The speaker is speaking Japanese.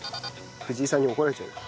藤井さんに怒られちゃうよ。